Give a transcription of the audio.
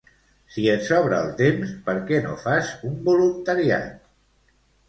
Si et sobra el temps, perquè no fas un voluntariat?